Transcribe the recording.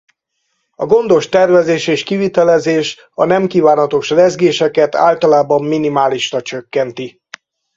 A gondos tervezés és kivitelezés a nemkívánatos rezgéseket általában minimálisra csökkenti.